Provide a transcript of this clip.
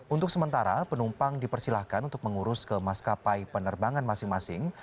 untuk sementara penumpang dipersilahkan untuk mengurus ke maskapai penerbangan masing masing